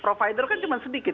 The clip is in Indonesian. provider kan cuma sedikit